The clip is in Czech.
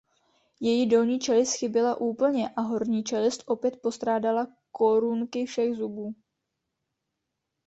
Její dolní čelist chyběla úplně a horní čelist opět postrádala korunky všech zubů.